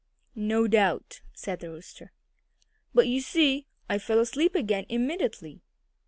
"No doubt!" said the Rooster. "But you see, I fell asleep again immediately."